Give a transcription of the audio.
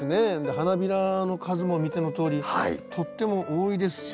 花びらの数も見てのとおりとっても多いですし。